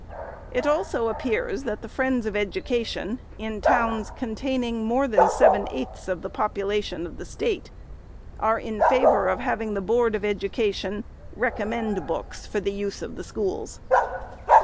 It also appears that the friends of Education in towns containing more than seven eighths of the population of the State are in favor of having the Board of Education recommend books for the use of the Schools.